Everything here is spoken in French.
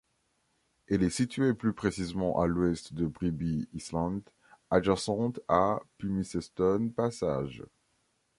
Elle est située plus précisément à l'ouest de Bribie Island adjacente à Pumicestone Passage.